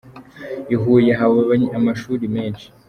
I Huye haba amashuri menshi.